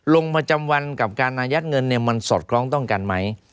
ลงประจำวันกับการอายัดเงินเนี่ยมันสอดคล้องต้องกันไหม